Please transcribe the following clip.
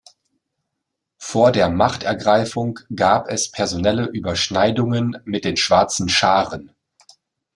Vor der Machtergreifung gab es personelle Überschneidungen mit den Schwarzen Scharen.